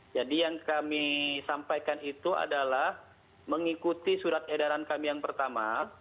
jadi yang kami sampaikan itu adalah mengikuti surat edaran kami yang pertama